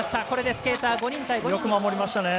これでスケーター５人対５人。